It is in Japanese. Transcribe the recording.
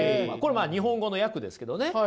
これまあ日本語の訳ですけどね。